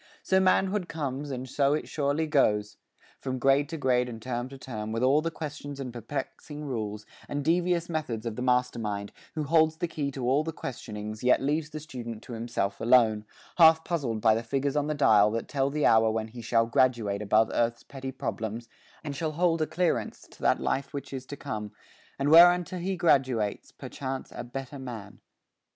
So manhood comes and so it surely goes, From grade to grade and term to term, With all the questions and perplexing rules, And devious methods of the Master mind, Who holds the key to all the questionings, Yet leaves the student to himself alone, Half puzzled by the figures on the dial That tell the hour when he shall graduate Above earth's petty problems, and shall hold A clearance to that life which is to come, And whereunto he graduates, perchance, A better man.